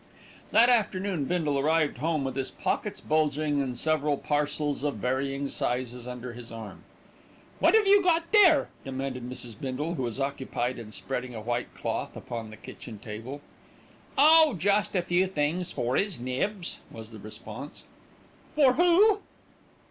That afternoon Bindle arrived home with his pockets bulging, and several parcels of varying sizes under his arm. "What have you got there?" demanded Mrs. Bindle, who was occupied in spreading a white cloth upon the kitchen table. "Oh! jest a few things for 'is Nibs," was the response. "For who?"